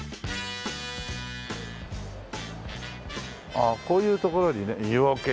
ああこういう所にね湯おけ。